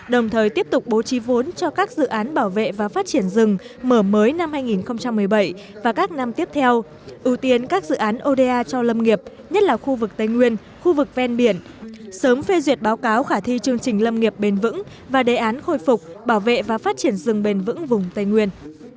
đồng thời tiếp tục bố trí vốn cho các dự án bảo vệ và phát triển rừng mở mới năm hai nghìn một mươi bảy và các năm tiếp theo ưu tiên các dự án oda cho lâm nghiệp nhất là khu vực tây nguyên khu vực ven biển sớm phê duyệt báo cáo khả thi chương trình lâm nghiệp bền vững và đề án khôi phục bảo vệ và phát triển rừng bền vững vùng tây nguyên